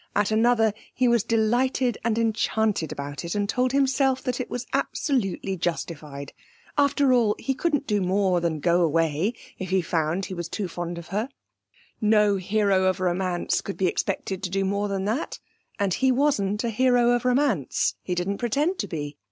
At another he was delighted and enchanted about it, and told himself that it was absolutely justified. After all, he couldn't do more than go away if he found he was too fond of her. No hero of romance could be expected to do more than that, and he wasn't a hero of romance; he didn't pretend to be.